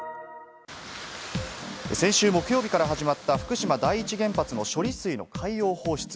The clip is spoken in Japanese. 先週木曜日から始まった福島第一原発の処理水の海洋放出。